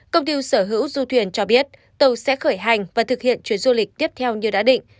công ty sở hữu du thuyền cho biết tàu sẽ khởi hành và thực hiện chuyến du lịch tiếp theo như đã định